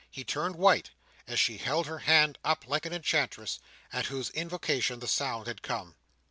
He turned white, as she held her hand up like an enchantress, at whose invocation the sound had come.